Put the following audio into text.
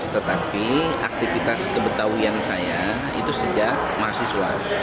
tetapi aktivitas kebetawian saya itu sejak mahasiswa